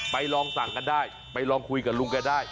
ลองสั่งกันได้ไปลองคุยกับลุงแกได้